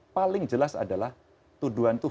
paling jelas adalah tuduhan tuduhan